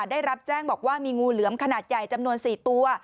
ได้รับแจ้งบอกว่ามีงูเหลือมขนาดใหญ่จำนวน๔ตัว